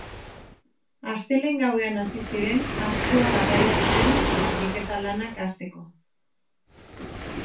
Astelehen gauean hasi ziren arkua garraiatzen, garbiketa lanak hasteko.